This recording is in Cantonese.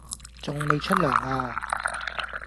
仲未出糧呀